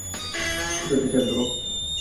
শুধু একটা চেয়ার ধর!